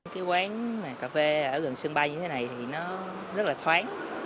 cái quán cà phê ở gần sân bay như thế này thì nó rất là thoáng